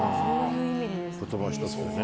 言葉ひとつでね。